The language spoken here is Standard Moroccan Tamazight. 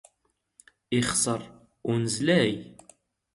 ⵉⵅⵙⵔ ⵓⵏⵣⵡⴰⵢ.